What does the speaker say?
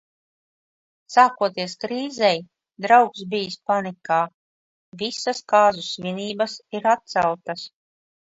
Sākoties krīzei, draugs bijis panikā – visas kāzu svinības ir atceltas.